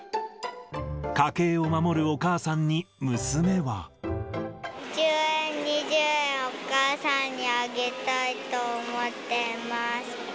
家計を守るお母さんに、１０円、２０円をお母さんにあげたいと思ってます。